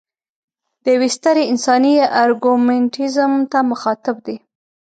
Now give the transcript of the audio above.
د یوې سترې انساني ارګومنټیزم ته مخاطب دی.